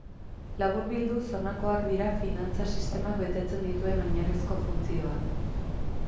Laburbilduz honakoak dira finantza-sistemak betetzen dituen oinarrizko funtzioak.